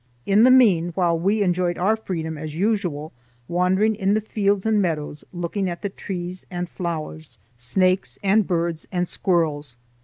In the mean while we enjoyed our freedom as usual, wandering in the fields and meadows, looking at the trees and flowers, snakes and birds and squirrels.